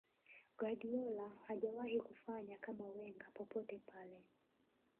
guardiola hajawahi kufanya kama wenger popote pale